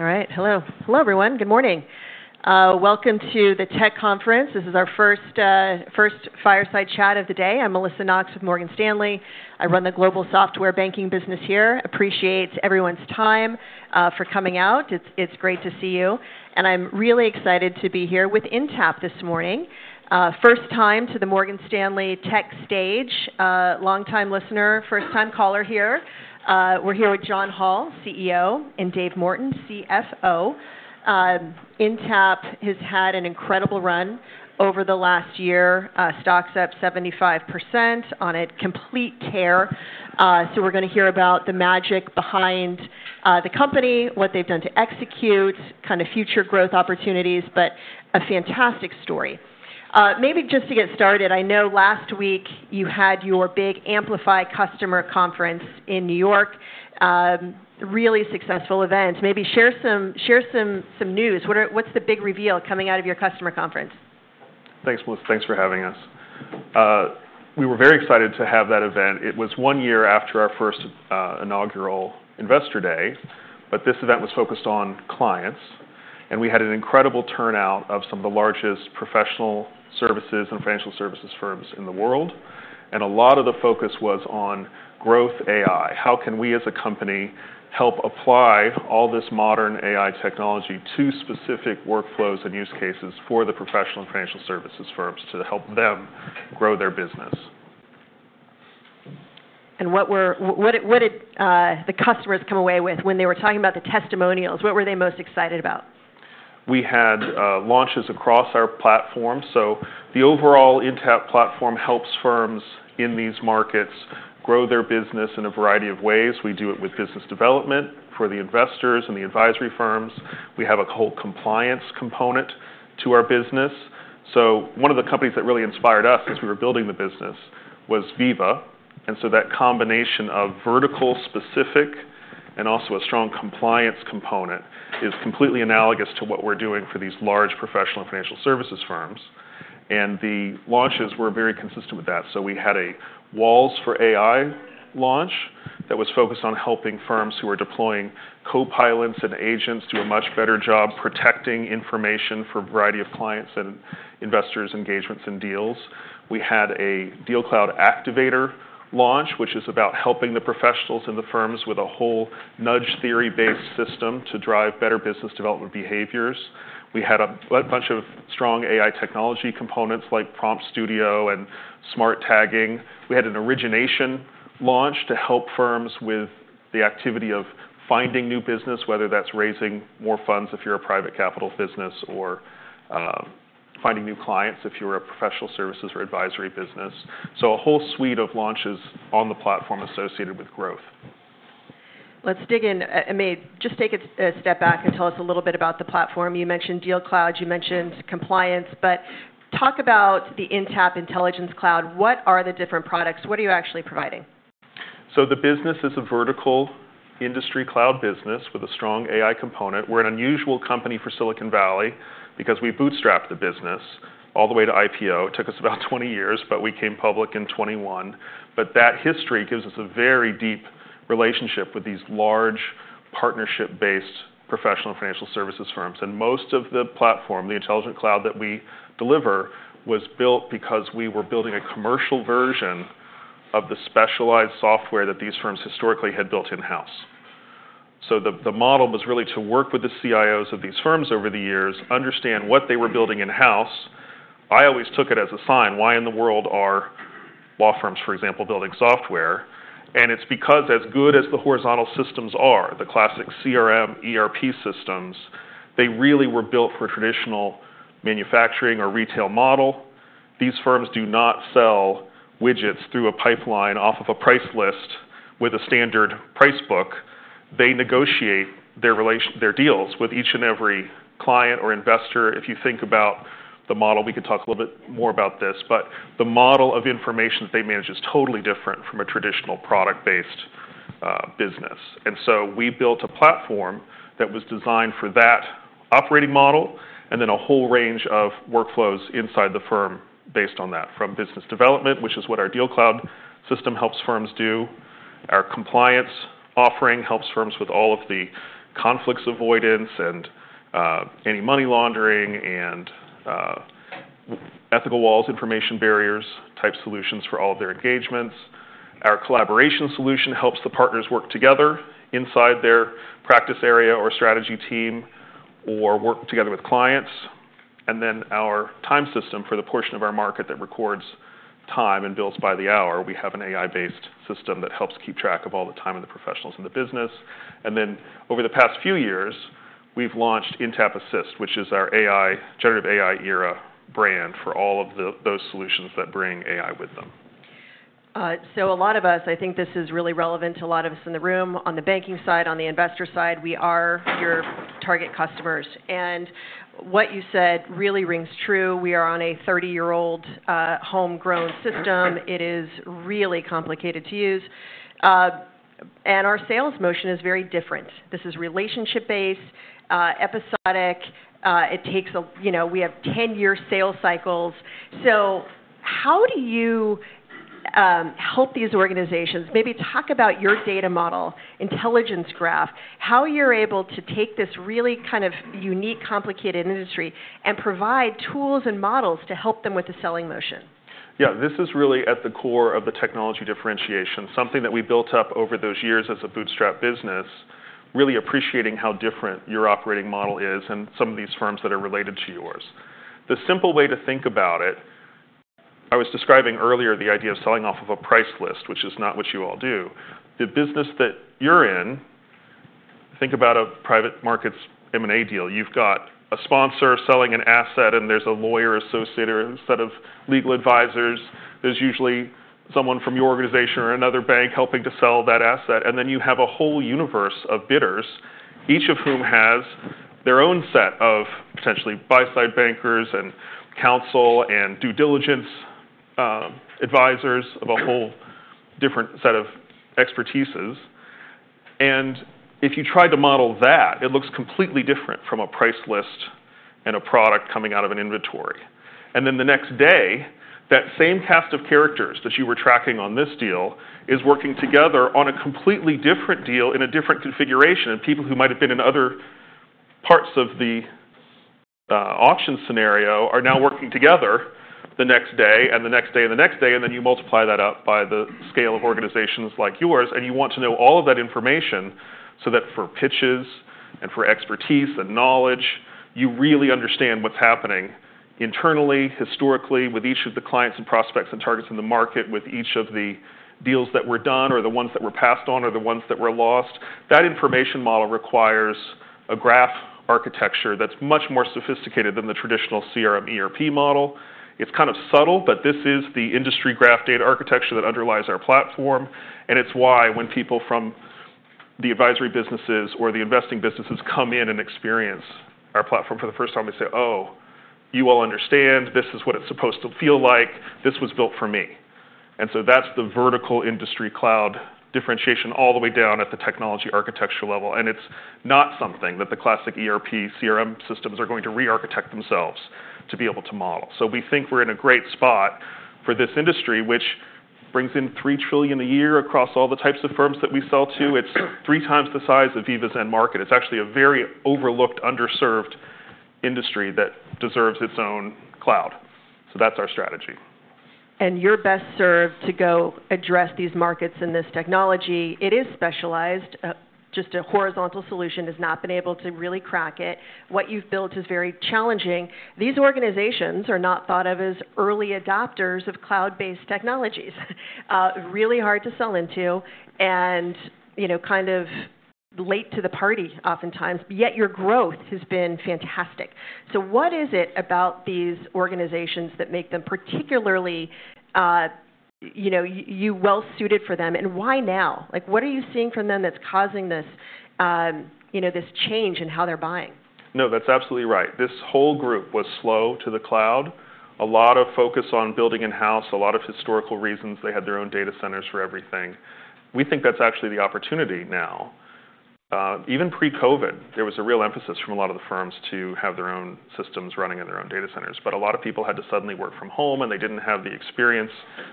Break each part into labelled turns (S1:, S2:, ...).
S1: All right. Hello. Hello, everyone. Good morning. Welcome to the Tech Conference. This is our first fireside chat of the day. I'm Melissa Knox with Morgan Stanley. I run the global software banking business here. Appreciate everyone's time for coming out. It's great to see you. And I'm really excited to be here with Intapp this morning. First time to the Morgan Stanley tech stage. Longtime listener, first-time caller here. We're here with John Hall, CEO, and David Morton, CFO. Intapp has had an incredible run over the last year. Stocks up 75% on a complete tear. So we're going to hear about the magic behind the company, what they've done to execute, kind of future growth opportunities, but a fantastic story. Maybe just to get started, I know last week you had your big Amplify customer conference in New York. Really successful event. Maybe share some news. What's the big reveal coming out of your customer conference?
S2: Thanks, Melissa. Thanks for having us. We were very excited to have that event. It was one year after our first inaugural Investor Day, but this event was focused on clients. And we had an incredible turnout of some of the largest professional services and financial services firms in the world. And a lot of the focus was on Growth AI. How can we as a company help apply all this modern AI technology to specific workflows and use cases for the professional and financial services firms to help them grow their business?
S1: What did the customers come away with when they were talking about the testimonials? What were they most excited about?
S2: We had launches across our platform, so the overall Intapp platform helps firms in these markets grow their business in a variety of ways. We do it with business development for the investors and the advisory firms. We have a whole compliance component to our business, so one of the companies that really inspired us as we were building the business was Veeva, and so that combination of vertical specific and also a strong compliance component is completely analogous to what we're doing for these large professional and financial services firms. And the launches were very consistent with that, so we had a Walls for AI launch that was focused on helping firms who are deploying Copilots and agents do a much better job protecting information for a variety of clients and investors' engagements and deals. We had a DealCloud Activator launch, which is about helping the professionals and the firms with a whole Nudge theory-based system to drive better business development behaviors. We had a bunch of strong AI technology components like Prompt Studio and Smart Tagging. We had an Origination launch to help firms with the activity of finding new business, whether that's raising more funds if you're a private capital business or finding new clients if you're a professional services or advisory business. So a whole suite of launches on the platform associated with growth.
S1: Let's dig in. Just take a step back and tell us a little bit about the platform. You mentioned DealCloud. You mentioned compliance. But talk about the Intapp Intelligent Cloud. What are the different products? What are you actually providing?
S2: So the business is a vertical industry cloud business with a strong AI component. We're an unusual company for Silicon Valley because we bootstrapped the business all the way to IPO. It took us about 20 years, but we came public in 2021. But that history gives us a very deep relationship with these large partnership-based professional and financial services firms. And most of the platform, the intelligent cloud that we deliver, was built because we were building a commercial version of the specialized software that these firms historically had built in-house. So the model was really to work with the CIOs of these firms over the years, understand what they were building in-house. I always took it as a sign. Why in the world are law firms, for example, building software? And it's because as good as the horizontal systems are, the classic CRM, ERP systems, they really were built for traditional manufacturing or retail model. These firms do not sell widgets through a pipeline off of a price list with a standard price book. They negotiate their deals with each and every client or investor. If you think about the model, we could talk a little bit more about this. But the model of information that they manage is totally different from a traditional product-based business. And so we built a platform that was designed for that operating model and then a whole range of workflows inside the firm based on that, from business development, which is what our DealCloud system helps firms do. Our compliance offering helps firms with all of the conflicts avoidance and any money laundering and ethical walls, information barriers type solutions for all of their engagements. Our collaboration solution helps the partners work together inside their practice area or strategy team or work together with clients. And then our time system for the portion of our market that records time and bills by the hour. We have an AI-based system that helps keep track of all the time of the professionals in the business. And then over the past few years, we've launched Intapp Assist, which is our AI, Generative AI era brand for all of those solutions that bring AI with them.
S1: So a lot of us, I think this is really relevant to a lot of us in the room, on the banking side, on the investor side, we are your target customers. And what you said really rings true. We are on a 30-year-old homegrown system. It is really complicated to use. And our sales motion is very different. This is relationship-based, episodic. We have 10-year sales cycles. So how do you help these organizations? Maybe talk about your data model, intelligence graph, how you're able to take this really kind of unique, complicated industry and provide tools and models to help them with the selling motion.
S2: Yeah. This is really at the core of the technology differentiation, something that we built up over those years as a bootstrap business, really appreciating how different your operating model is and some of these firms that are related to yours. The simple way to think about it, I was describing earlier the idea of selling off of a price list, which is not what you all do. The business that you're in, think about a private markets M&A deal. You've got a sponsor selling an asset, and there's a lawyer associated or a set of legal advisors. There's usually someone from your organization or another bank helping to sell that asset. And then you have a whole universe of bidders, each of whom has their own set of potentially buy-side bankers and counsel and due diligence advisors of a whole different set of expertises. And if you try to model that, it looks completely different from a price list and a product coming out of an inventory. And then the next day, that same cast of characters that you were tracking on this deal is working together on a completely different deal in a different configuration. And people who might have been in other parts of the auction scenario are now working together the next day and the next day and the next day. And then you multiply that up by the scale of organizations like yours. You want to know all of that information so that for pitches and for expertise and knowledge, you really understand what's happening internally, historically, with each of the clients and prospects and targets in the market, with each of the deals that were done or the ones that were passed on or the ones that were lost. That information model requires a graph architecture that's much more sophisticated than the traditional CRM ERP model. It's kind of subtle, but this is the industry graph data architecture that underlies our platform. It's why when people from the advisory businesses or the investing businesses come in and experience our platform for the first time, they say, "Oh, you all understand. This is what it's supposed to feel like. This was built for me." So that's the vertical industry cloud differentiation all the way down at the technology architecture level. And it's not something that the classic ERP CRM systems are going to re-architect themselves to be able to model. So we think we're in a great spot for this industry, which brings in $3 trillion a year across all the types of firms that we sell to. It's three times the size of Veeva's end market. It's actually a very overlooked, underserved industry that deserves its own cloud. So that's our strategy.
S1: You're best served to go address these markets and this technology. It is specialized. Just a horizontal solution has not been able to really crack it. What you've built is very challenging. These organizations are not thought of as early adopters of cloud-based technologies. Really hard to sell into and kind of late to the party oftentimes. Yet your growth has been fantastic. So what is it about these organizations that make them particularly well-suited for them? Why now? What are you seeing from them that's causing this change in how they're buying?
S2: No, that's absolutely right. This whole group was slow to the cloud. A lot of focus on building in-house, a lot of historical reasons. They had their own data centers for everything. We think that's actually the opportunity now. Even pre-COVID, there was a real emphasis from a lot of the firms to have their own systems running in their own data centers. But a lot of people had to suddenly work from home, and they didn't have the experience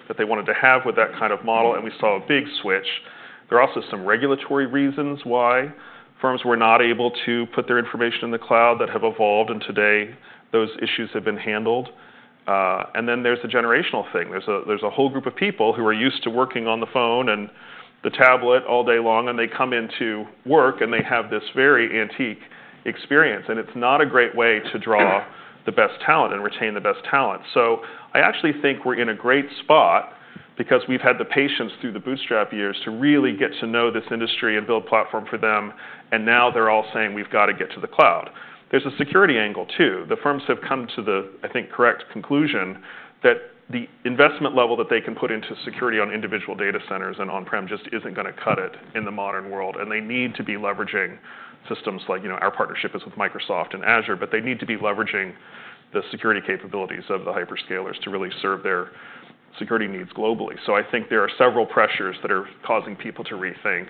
S2: that they wanted to have with that kind of model. And we saw a big switch. There are also some regulatory reasons why firms were not able to put their information in the cloud that have evolved. And today, those issues have been handled. And then there's the generational thing. There's a whole group of people who are used to working on the phone and the tablet all day long. And they come into work, and they have this very antique experience. And it's not a great way to draw the best talent and retain the best talent. So I actually think we're in a great spot because we've had the patience through the bootstrap years to really get to know this industry and build a platform for them. And now they're all saying, "We've got to get to the cloud." There's a security angle too. The firms have come to the, I think, correct conclusion that the investment level that they can put into security on individual data centers and on-prem just isn't going to cut it in the modern world. And they need to be leveraging systems like our partnership is with Microsoft and Azure, but they need to be leveraging the security capabilities of the hyperscalers to really serve their security needs globally. So I think there are several pressures that are causing people to rethink.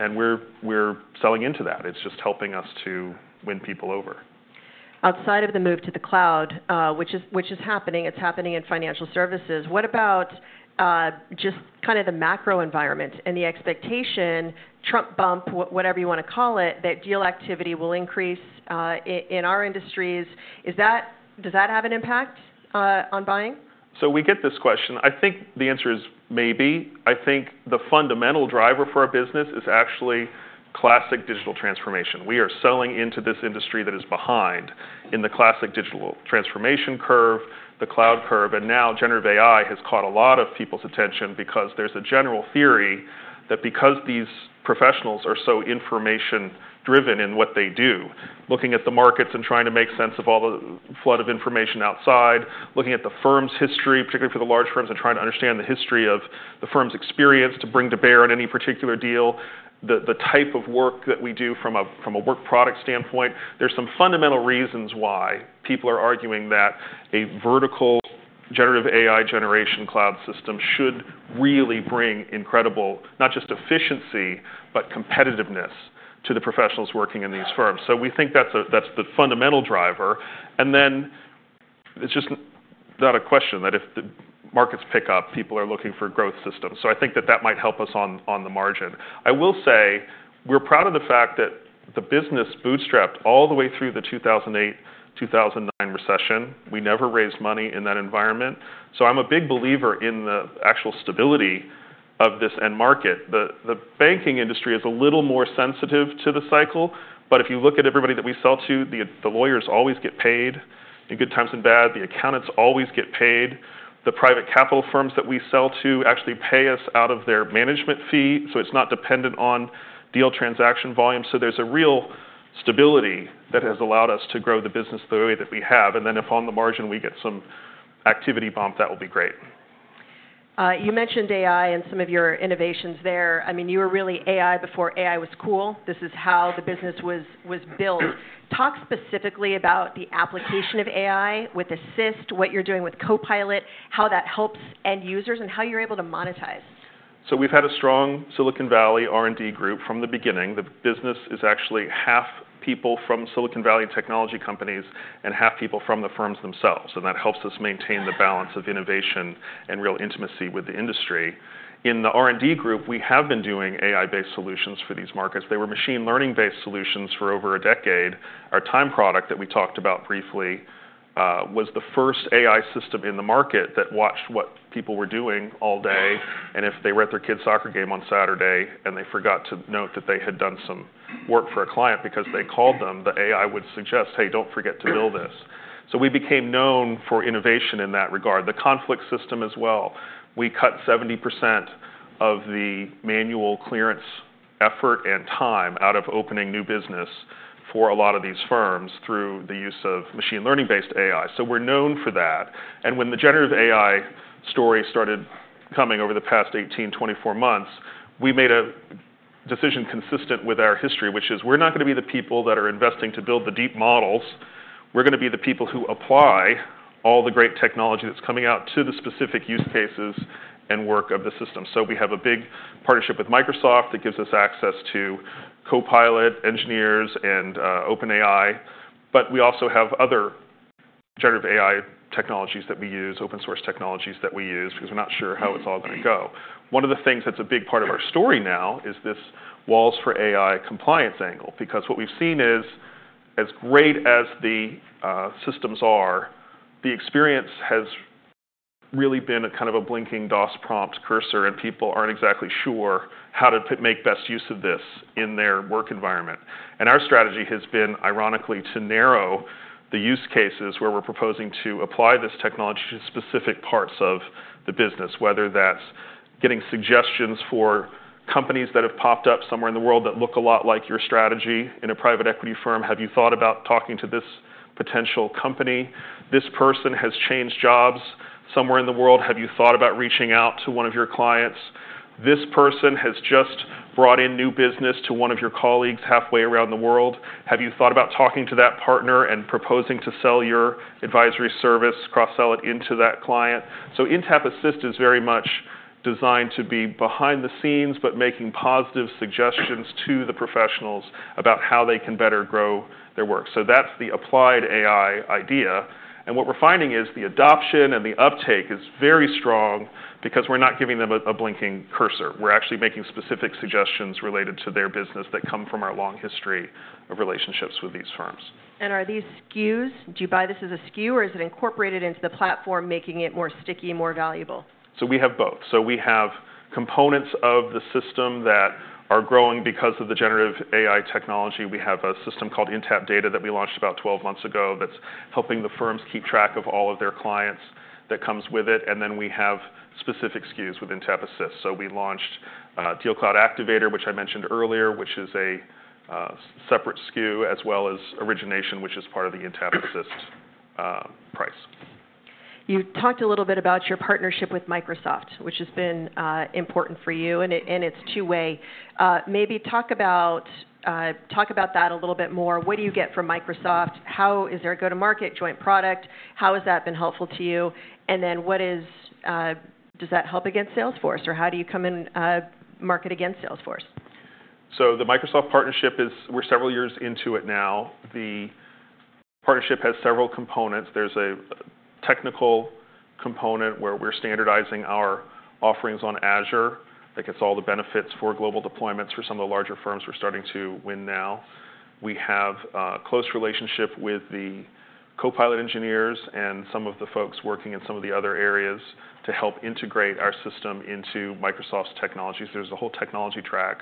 S2: And we're selling into that. It's just helping us to win people over.
S1: Outside of the move to the cloud, which is happening, it's happening in financial services. What about just kind of the macro environment and the expectation, Trump bump, whatever you want to call it, that deal activity will increase in our industries? Does that have an impact on buying?
S2: So we get this question. I think the answer is maybe. I think the fundamental driver for our business is actually classic digital transformation. We are selling into this industry that is behind in the classic digital transformation curve, the cloud curve. And now Generative AI has caught a lot of people's attention because there's a general theory that because these professionals are so information-driven in what they do, looking at the markets and trying to make sense of all the flood of information outside, looking at the firm's history, particularly for the large firms, and trying to understand the history of the firm's experience to bring to bear on any particular deal, the type of work that we do from a work product standpoint, there's some fundamental reasons why people are arguing that a vertical Generative AI generation cloud system should really bring incredible, not just efficiency, but competitiveness to the professionals working in these firms. So we think that's the fundamental driver. And then it's just not a question that if the markets pick up, people are looking for growth systems. So I think that that might help us on the margin. I will say we're proud of the fact that the business bootstrapped all the way through the 2008-2009 recession. We never raised money in that environment. So I'm a big believer in the actual stability of this end market. The banking industry is a little more sensitive to the cycle. But if you look at everybody that we sell to, the lawyers always get paid in good times and bad. The accountants always get paid. The private capital firms that we sell to actually pay us out of their management fee. So it's not dependent on deal transaction volume. So there's a real stability that has allowed us to grow the business the way that we have. And then if on the margin we get some activity bump, that will be great.
S1: You mentioned AI and some of your innovations there. I mean, you were really AI before AI was cool. This is how the business was built. Talk specifically about the application of AI with Assist, what you're doing with Copilot, how that helps end users, and how you're able to monetize.
S2: We've had a strong Silicon Valley R&D group from the beginning. The business is actually half people from Silicon Valley technology companies and half people from the firms themselves. That helps us maintain the balance of innovation and real intimacy with the industry. In the R&D group, we have been doing AI-based solutions for these markets. They were machine learning-based solutions for over a decade. Our time product that we talked about briefly was the first AI system in the market that watched what people were doing all day. If they were at their kids' soccer game on Saturday and they forgot to note that they had done some work for a client because they called them, the AI would suggest, "Hey, don't forget to bill this." We became known for innovation in that regard. The conflict system as well. We cut 70% of the manual clearance effort and time out of opening new business for a lot of these firms through the use of machine learning-based AI. So we're known for that. And when the generative AI story started coming over the past 18-24 months, we made a decision consistent with our history, which is we're not going to be the people that are investing to build the deep models. We're going to be the people who apply all the great technology that's coming out to the specific use cases and work of the system. So we have a big partnership with Microsoft that gives us access to Copilot, engineers, and OpenAI. But we also have other Generative AI technologies that we use, open-source technologies that we use because we're not sure how it's all going to go. One of the things that's a big part of our story now is this walls for AI compliance angle because what we've seen is as great as the systems are, the experience has really been kind of a blinking DOS prompt cursor, and people aren't exactly sure how to make best use of this in their work environment, and our strategy has been, ironically, to narrow the use cases where we're proposing to apply this technology to specific parts of the business, whether that's getting suggestions for companies that have popped up somewhere in the world that look a lot like your strategy in a private equity firm. Have you thought about talking to this potential company? This person has changed jobs somewhere in the world. Have you thought about reaching out to one of your clients? This person has just brought in new business to one of your colleagues halfway around the world. Have you thought about talking to that partner and proposing to sell your advisory service, cross-sell it into that client? So Intapp Assist is very much designed to be behind the scenes, but making positive suggestions to the professionals about how they can better grow their work. So that's the applied AI idea. And what we're finding is the adoption and the uptake is very strong because we're not giving them a blinking cursor. We're actually making specific suggestions related to their business that come from our long history of relationships with these firms.
S1: Are these SKUs? Do you buy this as a SKU, or is it incorporated into the platform, making it more sticky, more valuable?
S2: We have both. We have components of the system that are growing because of the Generative AI technology. We have a system called Intapp Data that we launched about 12 months ago that's helping the firms keep track of all of their clients, that comes with it. And then we have specific SKUs with Intapp Assist. We launched DealCloud Activator, which I mentioned earlier, which is a separate SKU, as well as Origination, which is part of the Intapp Assist price.
S1: You talked a little bit about your partnership with Microsoft, which has been important for you, and it's two-way. Maybe talk about that a little bit more. What do you get from Microsoft? How is their go-to-market joint product? How has that been helpful to you? And then does that help against Salesforce? Or how do you come in market against Salesforce?
S2: So the Microsoft partnership is we're several years into it now. The partnership has several components. There's a technical component where we're standardizing our offerings on Azure that gets all the benefits for global deployments for some of the larger firms we're starting to win now. We have a close relationship with the Copilot engineers and some of the folks working in some of the other areas to help integrate our system into Microsoft's technologies. There's a whole technology track.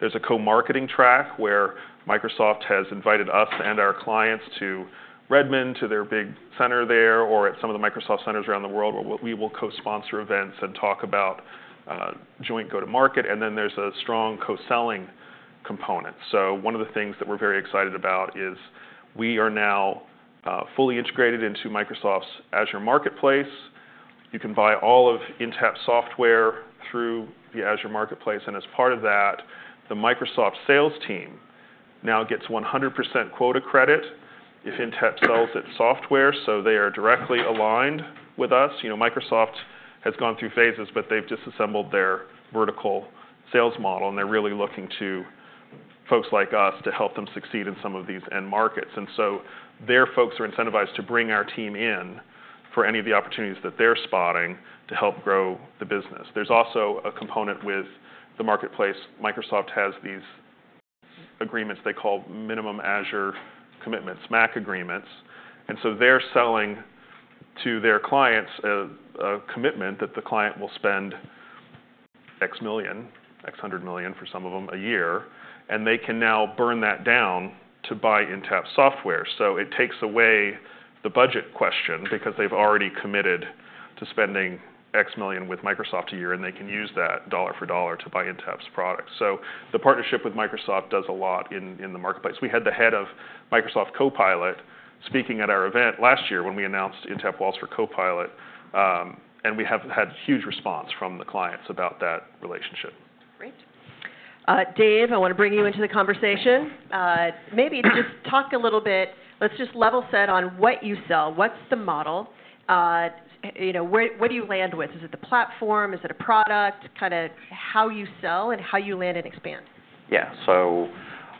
S2: There's a co-marketing track where Microsoft has invited us and our clients to Redmond, to their big center there, or at some of the Microsoft centers around the world, where we will co-sponsor events and talk about joint go-to-market. And then there's a strong co-selling component. So one of the things that we're very excited about is we are now fully integrated into Microsoft's Azure Marketplace. You can buy all of Intapp software through the Azure Marketplace. And as part of that, the Microsoft sales team now gets 100% quota credit if Intapp sells its software. So they are directly aligned with us. Microsoft has gone through phases, but they've disassembled their vertical sales model. And they're really looking to folks like us to help them succeed in some of these end markets. And so their folks are incentivized to bring our team in for any of the opportunities that they're spotting to help grow the business. There's also a component with the marketplace. Microsoft has these agreements they call minimum Azure commitments, MACC agreements. And so they're selling to their clients a commitment that the client will spend X million, X hundred million for some of them a year. And they can now burn that down to buy Intapp software. So it takes away the budget question because they've already committed to spending X million with Microsoft a year. And they can use that dollar for dollar to buy Intapp's products. So the partnership with Microsoft does a lot in the marketplace. We had the head of Microsoft Copilot speaking at our event last year when we announced Intapp Walls for Copilot. And we have had huge response from the clients about that relationship.
S1: Great. David, I want to bring you into the conversation. Maybe just talk a little bit. Let's just level set on what you sell. What's the model? What do you land with? Is it the platform? Is it a product? Kind of how you sell and how you land and expand.
S3: Yeah. So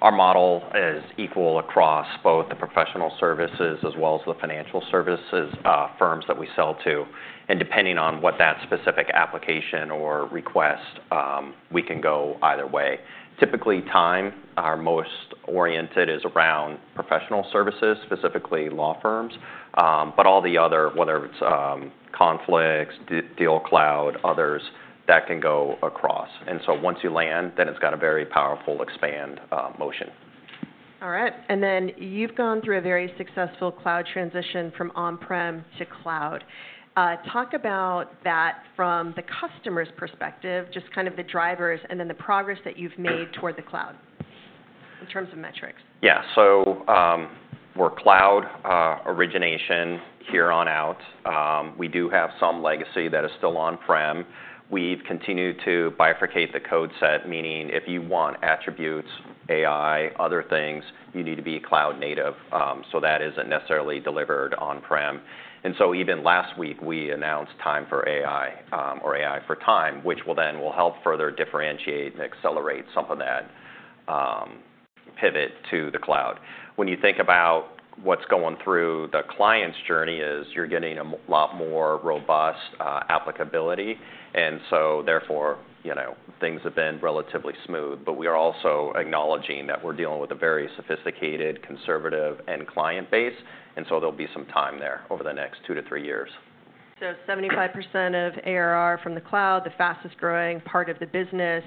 S3: our model is equal across both the professional services as well as the financial services firms that we sell to. And depending on what that specific application or request, we can go either way. Typically, Time, our most oriented is around professional services, specifically law firms. But all the other, whether it's conflicts, DealCloud, others, that can go across. And so once you land, then it's got a very powerful expansion motion.
S1: All right. And then you've gone through a very successful cloud transition from on-prem to cloud. Talk about that from the customer's perspective, just kind of the drivers and then the progress that you've made toward the cloud in terms of metrics.
S3: Yeah, so we're cloud origination here on out. We do have some legacy that is still on-prem. We've continued to bifurcate the code set, meaning if you want attributes, AI, other things, you need to be cloud native, so that isn't necessarily delivered on-prem, and so even last week, we announced time for AI or AI for time, which will then help further differentiate and accelerate some of that pivot to the cloud. When you think about what's going through the client's journey, you're getting a lot more robust applicability, and so therefore, things have been relatively smooth, but we are also acknowledging that we're dealing with a very sophisticated, conservative end client base, and so there'll be some time there over the next 2-3 years.
S1: So, 75% of ARR from the cloud, the fastest growing part of the business.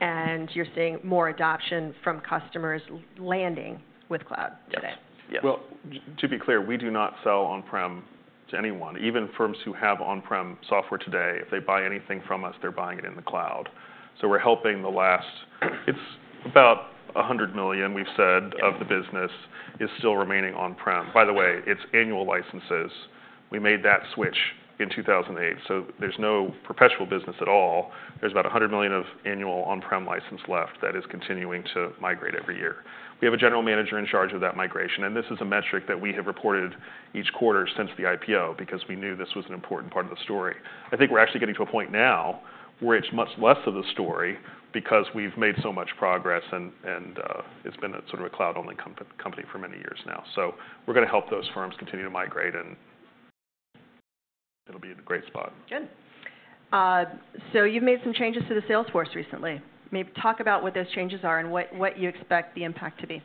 S1: And you're seeing more adoption from customers landing with cloud today.
S2: Yes. Well, to be clear, we do not sell on-prem to anyone. Even firms who have on-prem software today, if they buy anything from us, they're buying it in the cloud. So we're helping the last, it's about $100 million, we've said, of the business is still remaining on-prem. By the way, it's annual licenses. We made that switch in 2008. So there's no perpetual business at all. There's about $100 million of annual on-prem license left that is continuing to migrate every year. We have a general manager in charge of that migration. And this is a metric that we have reported each quarter since the IPO because we knew this was an important part of the story. I think we're actually getting to a point now where it's much less of the story because we've made so much progress. It's been sort of a cloud-only company for many years now. So we're going to help those firms continue to migrate. It'll be in a great spot.
S1: Good. So you've made some changes to the Salesforce recently. Maybe talk about what those changes are and what you expect the impact to be.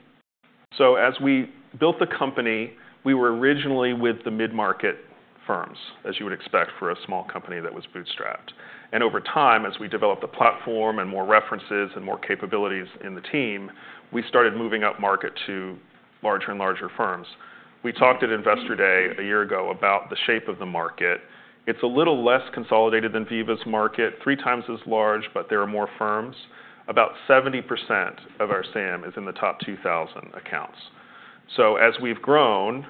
S2: So as we built the company, we were originally with the mid-market firms, as you would expect for a small company that was bootstrapped. And over time, as we developed the platform and more references and more capabilities in the team, we started moving up market to larger and larger firms. We talked at Investor Day a year ago about the shape of the market. It's a little less consolidated than Veeva's market, three times as large, but there are more firms. About 70% of our SAM is in the top 2,000 accounts. So as we've grown,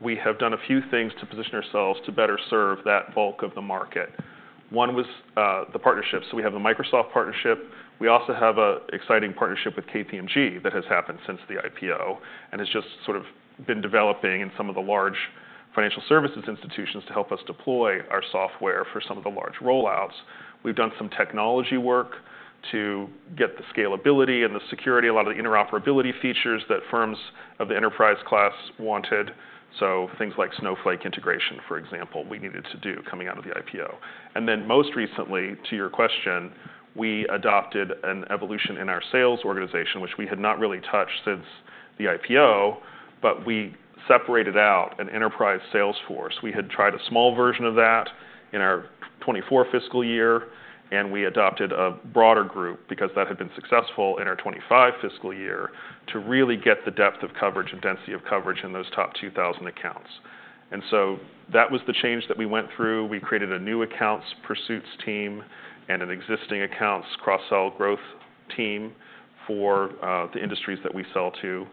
S2: we have done a few things to position ourselves to better serve that bulk of the market. One was the partnership. So we have the Microsoft partnership. We also have an exciting partnership with KPMG that has happened since the IPO and has just sort of been developing in some of the large financial services institutions to help us deploy our software for some of the large rollouts. We've done some technology work to get the scalability and the security, a lot of the interoperability features that firms of the enterprise class wanted, so things like Snowflake integration, for example, we needed to do coming out of the IPO, and then most recently, to your question, we adopted an evolution in our sales organization, which we had not really touched since the IPO, but we separated out an enterprise Salesforce. We had tried a small version of that in our 2024 fiscal year. We adopted a broader group because that had been successful in our 2025 fiscal year to really get the depth of coverage and density of coverage in those top 2,000 accounts. That was the change that we went through. We created a new accounts pursuits team and an existing accounts cross-sell growth team for the industries that we sell to.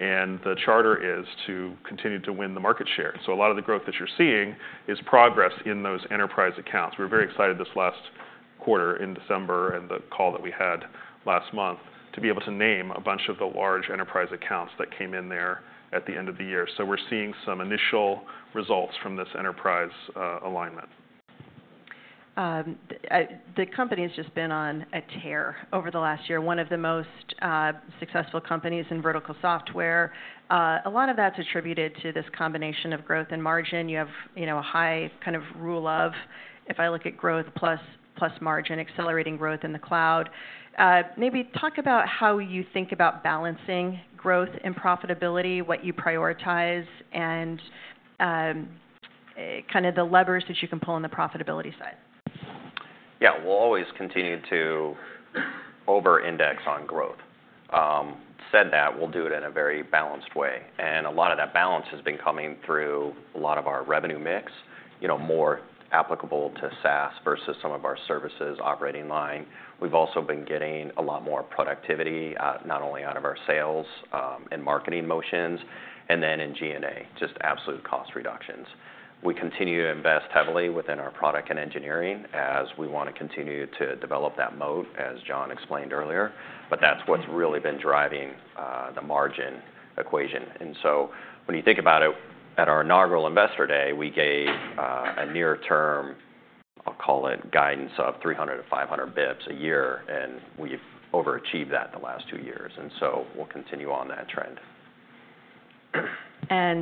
S2: The charter is to continue to win the market share. A lot of the growth that you're seeing is progress in those enterprise accounts. We were very excited this last quarter in December and the call that we had last month to be able to name a bunch of the large enterprise accounts that came in there at the end of the year. We're seeing some initial results from this enterprise alignment.
S1: The company has just been on a tear over the last year. One of the most successful companies in vertical software. A lot of that's attributed to this combination of growth and margin. You have a high kind of rule of, if I look at growth plus margin, accelerating growth in the cloud. Maybe talk about how you think about balancing growth and profitability, what you prioritize, and kind of the levers that you can pull on the profitability side.
S3: Yeah. We'll always continue to over-index on growth. That said, we'll do it in a very balanced way, and a lot of that balance has been coming through a lot of our revenue mix, more applicable to SaaS versus some of our services operating line. We've also been getting a lot more productivity, not only out of our sales and marketing motions, and then in G&A, just absolute cost reductions. We continue to invest heavily within our product and engineering as we want to continue to develop that moat, as John explained earlier, but that's what's really been driving the margin equation. And so when you think about it, at our inaugural Investor Day, we gave a near-term, I'll call it guidance of 300-500 bps a year, and we've overachieved that the last two years, and so we'll continue on that trend.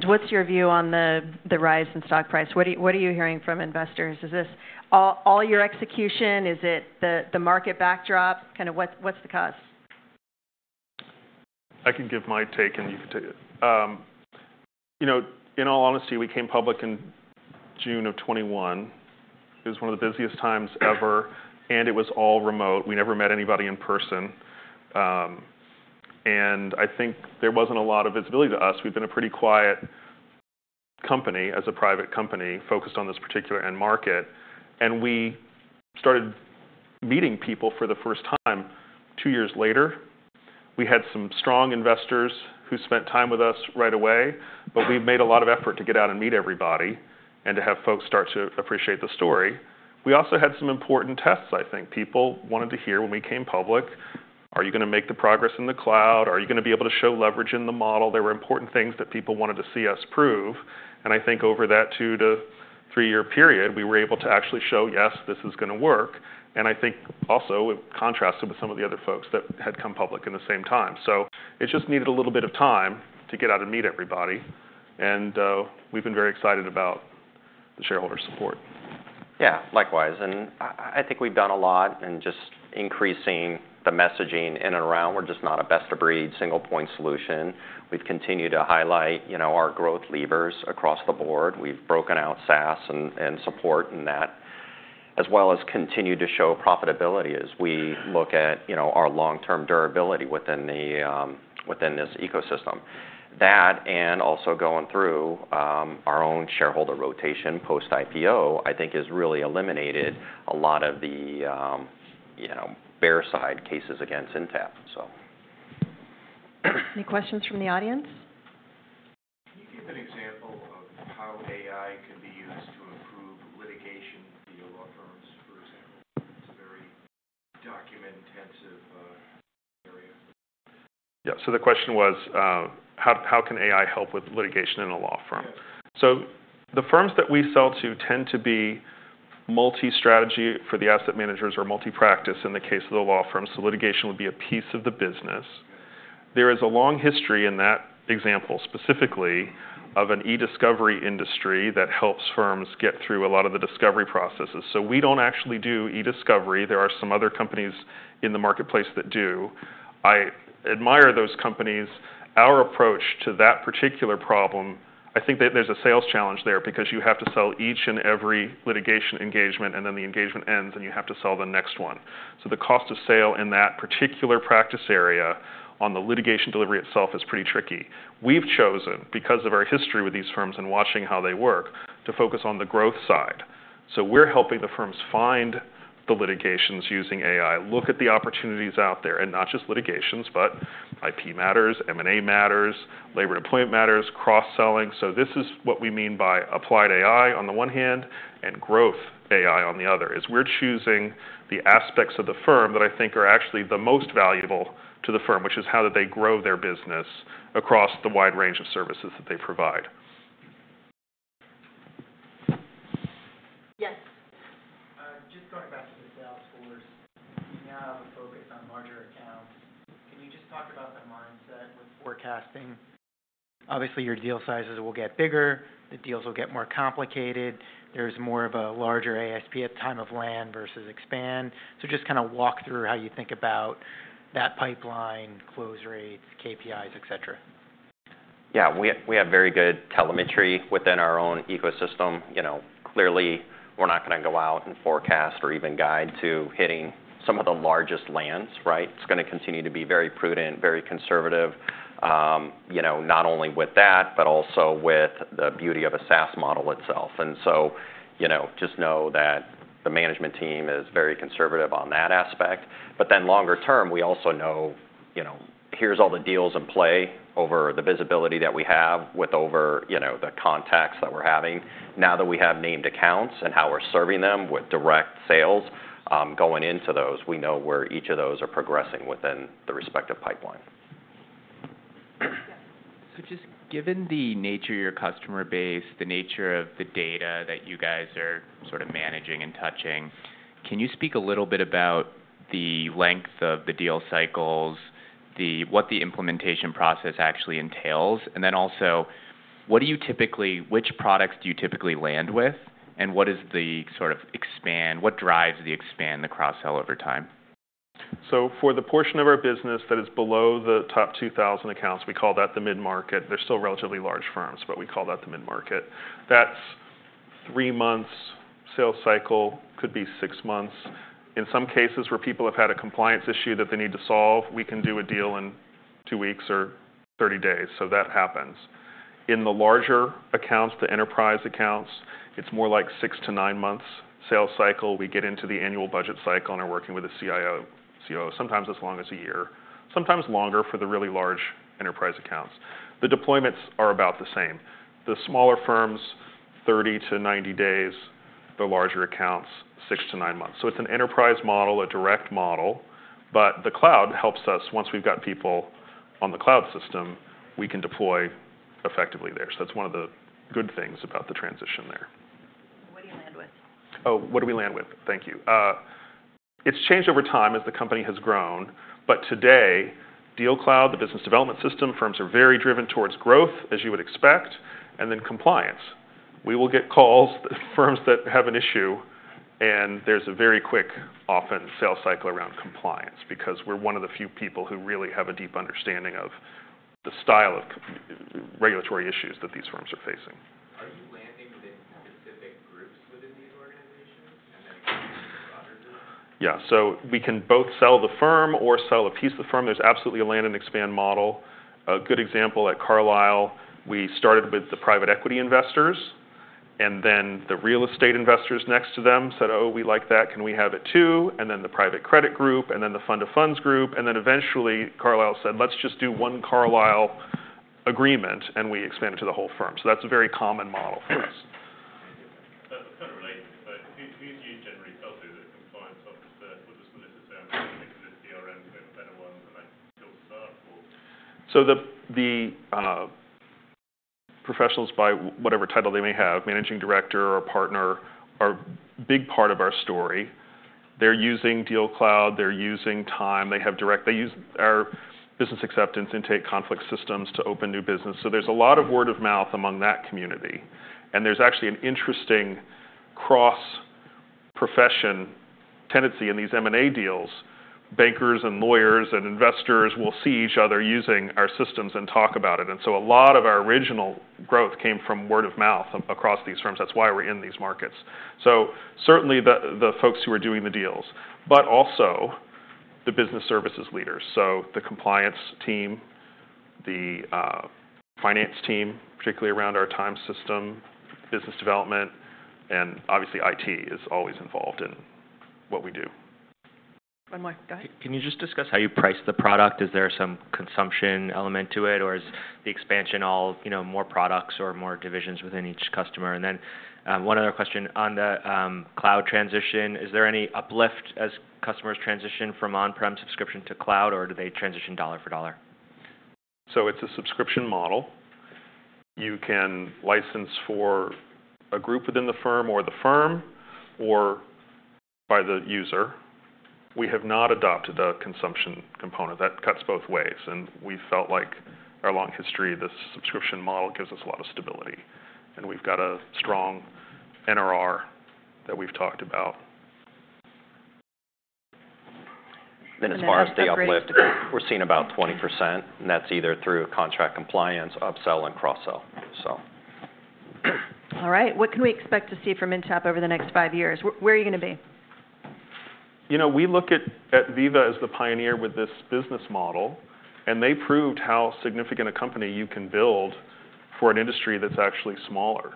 S1: What's your view on the rise in stock price? What are you hearing from investors? Is this all your execution? Is it the market backdrop? Kind of what's the cause?
S2: I can give my take, and you can take it. In all honesty, we came public in June of 2021. It was one of the busiest times ever. It was all remote. We never met anybody in person. I think there wasn't a lot of visibility to us. We've been a pretty quiet company as a private company focused on this particular end market. We started meeting people for the first time two years later. We had some strong investors who spent time with us right away. We've made a lot of effort to get out and meet everybody and to have folks start to appreciate the story. We also had some important tests, I think. People wanted to hear when we came public, are you going to make the progress in the cloud? Are you going to be able to show leverage in the model? There were important things that people wanted to see us prove, and I think over that 2-3 year period, we were able to actually show, yes, this is going to work. I think also it contrasted with some of the other folks that had come public in the same time, so it just needed a little bit of time to get out and meet everybody, and we've been very excited about the shareholder support.
S3: Yeah, likewise. And I think we've done a lot in just increasing the messaging in and around. We're just not a best-of-breed, single-point solution. We've continued to highlight our growth levers across the board. We've broken out SaaS and support in that, as well as continue to show profitability as we look at our long-term durability within this ecosystem. That and also going through our own shareholder rotation post-IPO, I think has really eliminated a lot of the bear side cases against Intapp, so.
S1: Any questions from the audience? Can you give an example of how AI can be used to improve litigation via law firms, for example? It's a very document-intensive area.
S2: Yeah. So the question was, how can AI help with litigation in a law firm? So the firms that we sell to tend to be multi-strategy for the asset managers or multi-practice in the case of the law firms. So litigation would be a piece of the business. There is a long history in that example, specifically of an e-discovery industry that helps firms get through a lot of the discovery processes. So we don't actually do e-discovery. There are some other companies in the marketplace that do. I admire those companies. Our approach to that particular problem, I think there's a sales challenge there because you have to sell each and every litigation engagement. And then the engagement ends, and you have to sell the next one. So the cost of sale in that particular practice area on the litigation delivery itself is pretty tricky. We've chosen, because of our history with these firms and watching how they work, to focus on the growth side. So we're helping the firms find the litigations using AI, look at the opportunities out there, and not just litigations, but IP matters, M&A matters, labor and employment matters, cross-selling. So this is what we mean by applied AI on the one hand and growth AI on the other, is we're choosing the aspects of the firm that I think are actually the most valuable to the firm, which is how they grow their business across the wide range of services that they provide.
S1: Yes. Just going back to the Salesforce, you now have a focus on larger accounts. Can you just talk about the mindset with forecasting? Obviously, your deal sizes will get bigger. The deals will get more complicated. There's more of a larger ASP at the time of land versus expand. So just kind of walk through how you think about that pipeline, close rates, KPIs, etc.
S3: Yeah. We have very good telemetry within our own ecosystem. Clearly, we're not going to go out and forecast or even guide to hitting some of the largest lands, right? It's going to continue to be very prudent, very conservative, not only with that, but also with the beauty of a SaaS model itself, and so just know that the management team is very conservative on that aspect, but then longer term, we also know, here's all the deals in play over the visibility that we have with over the contacts that we're having. Now that we have named accounts and how we're serving them with direct sales going into those, we know where each of those are progressing within the respective pipeline. So, just given the nature of your customer base, the nature of the data that you guys are sort of managing and touching, can you speak a little bit about the length of the deal cycles, what the implementation process actually entails, and then also which products do you typically land with, and what is the sort of expand? What drives the expand, the cross-sell over time?
S2: So for the portion of our business that is below the top 2,000 accounts, we call that the mid-market. They're still relatively large firms, but we call that the mid-market. That's three months sales cycle, could be six months. In some cases where people have had a compliance issue that they need to solve, we can do a deal in two weeks or 30 days. So that happens. In the larger accounts, the enterprise accounts, it's more like six to nine months sales cycle. We get into the annual budget cycle and are working with a CIO, COO, sometimes as long as a year, sometimes longer for the really large enterprise accounts. The deployments are about the same. The smaller firms, 30-90 days. The larger accounts, 6 - 9 months. So it's an enterprise model, a direct model. But the cloud helps us. Once we've got people on the cloud system, we can deploy effectively there. So that's one of the good things about the transition there. What do you land with? Oh, what do we land with? Thank you. It's changed over time as the company has grown. But today, DealCloud, the business development system. Firms are very driven towards growth, as you would expect, and then compliance. We will get calls from firms that have an issue. And there's a very quick, often, sales cycle around compliance because we're one of the few people who really have a deep understanding of the style of regulatory issues that these firms are facing. Are you landing within specific groups within these organizations and then broader groups? [inaudible] Yeah. So we can both sell the firm or sell a piece of the firm. There's absolutely a land and expand model. A good example at Carlyle, we started with the private equity investors. And then the real estate investors next to them said, "Oh, we like that. Can we have it too?" And then the private credit group, and then the fund of funds group. And then eventually, Carlyle said, "Let's just do one Carlyle agreement." And we expanded to the whole firm. So that's a very common model for us. That's kind of related. But who do you generally sell to that compliance officer? Was this necessary? I'm going to look into the CRM, but better ones. Am I still too far? So the professionals, by whatever title they may have, managing director or partner, are a big part of our story. They're using DealCloud. They're using Time. They use our business acceptance intake conflict systems to open new business. So there's a lot of word of mouth among that community. And there's actually an interesting cross-profession tendency in these M&A deals. Bankers and lawyers and investors will see each other using our systems and talk about it. And so a lot of our original growth came from word of mouth across these firms. That's why we're in these markets. So certainly the folks who are doing the deals, but also the business services leaders. So the compliance team, the finance team, particularly around our time system, business development, and obviously IT is always involved in what we do.
S1: One more. Go ahead. Can you just discuss how you price the product? Is there some consumption element to it, or is the expansion all more products or more divisions within each customer? And then one other question on the cloud transition. Is there any uplift as customers transition from on-prem subscription to cloud, or do they transition dollar for dollar?
S2: It's a subscription model. You can license for a group within the firm or the firm or by the user. We have not adopted a consumption component. That cuts both ways, and we felt like our long history, this subscription model gives us a lot of stability, and we've got a strong NRR that we've talked about.
S1: Then, as far as the uplift,
S3: we're seeing about 20%, and that's either through contract compliance, upsell, and cross-sell, so.
S1: All right. What can we expect to see from Intapp over the next five years? Where are you going to be?
S2: We look at Veeva as the pioneer with this business model, and they proved how significant a company you can build for an industry that's actually smaller,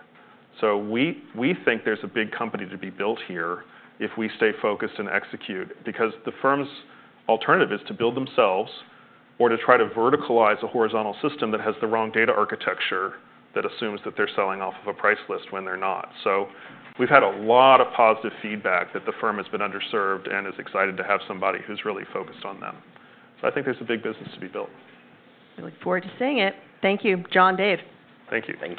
S2: so we think there's a big company to be built here if we stay focused and execute because the firm's alternative is to build themselves or to try to verticalize a horizontal system that has the wrong data architecture that assumes that they're selling off of a price list when they're not, so we've had a lot of positive feedback that the firm has been underserved and is excited to have somebody who's really focused on them, so I think there's a big business to be built.
S1: We look forward to seeing it. Thank you, John, David.
S2: Thank you.